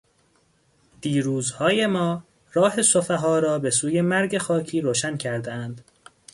دیروزهای ما راه سفها را بهسوی مرگ خاکی روشن کردهاند...